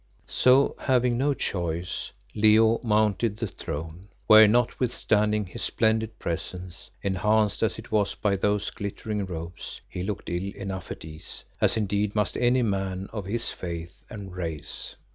So having no choice Leo mounted the throne, where notwithstanding his splendid presence, enhanced as it was by those glittering robes, he looked ill enough at ease, as indeed must any man of his faith and race.